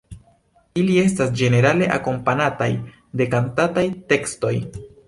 Ili estas ĝenerale akompanataj de kantataj tekstoj.